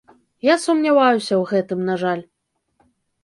Я сумняваюся ў гэтым, на жаль.